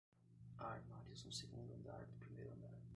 Há armários no segundo andar do primeiro andar.